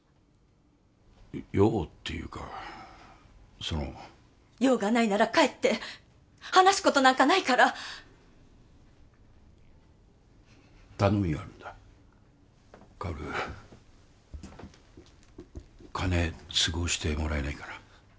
用っていうかその用がないなら帰って話すことなんかないから頼みがあるんだ香金都合してもらえないかな？